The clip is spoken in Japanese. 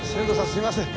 すいません